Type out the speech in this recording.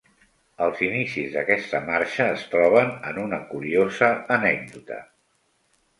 Els inicis d'aquesta marxa es troben en una curiosa anècdota.